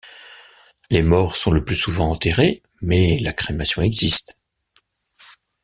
Les morts sont le plus souvent enterrés, mais la crémation existe.